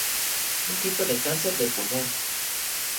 Un tipo de cáncer de pulmón.